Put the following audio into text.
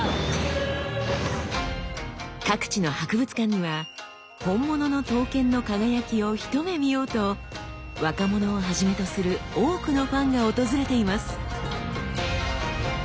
各地の博物館には本物の刀剣の輝きを一目見ようと若者をはじめとする多くのファンが訪れています。